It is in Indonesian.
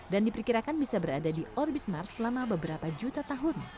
dan diperkirakan bisa berada di orbit mars selama beberapa juta tahun